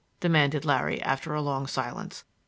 demanded Larry, after a long silence.